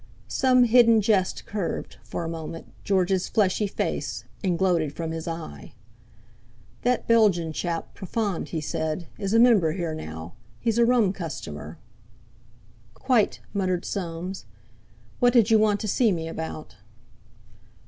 Some hidden jest curved, for a moment, George's fleshy face, and gloated from his eye. "That Belgian chap, Profond," he said, "is a member here now. He's a rum customer." "Quite!" muttered Soames. "What did you want to see me about?"